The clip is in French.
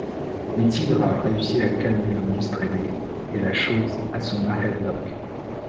Mais Tigra réussit à calmer le monstre ailé, et la Chose assomma Headlok.